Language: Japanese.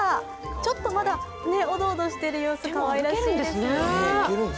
ちょっとまだおどおどしている様子、かわいらしいですね。